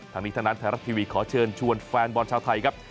ทั้งนี้ทั้งนั้นไทยรัฐทีวีขอเชิญชวนแฟนบอลชาวไทยครับ